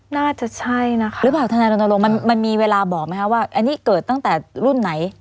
น่าจะใช่นะคะหรือเปล่าทนายรณรงค์มันมีเวลาบอกไหมคะว่าอันนี้เกิดตั้งแต่รุ่นไหน